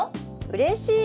うれしい！